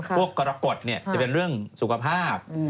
พวกกระกดเนี่ยจะเป็นเรื่องสุขภาพ